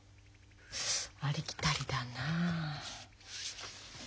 ありきたりだなあ。